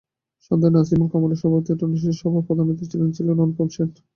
সন্ধ্যায় নাসিমুল কামালের সভাপতিত্বে অনুষ্ঠিত সভায় প্রধান অতিথি ছিলেন অনুপম সেন।